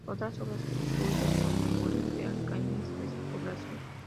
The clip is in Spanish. Otras obras suyas son "Memorias de Alcañiz, de su población.